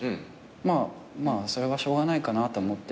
まあそれはしょうがないかなと思って。